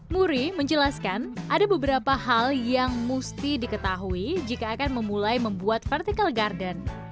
muri menjelaskan ada beberapa hal yang mesti diketahui jika akan memulai membuat vertical garden